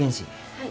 はい。